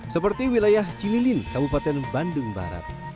seperti wilayah cililin kabupaten bandung barat